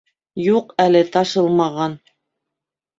— Юҡ әле, ташылмаған.